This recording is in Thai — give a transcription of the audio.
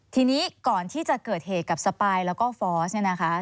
ทีนี้ก่อนที่จะเกิดเหตุกับสปายแล้วก็ฟอร์สเนี่ยนะคะ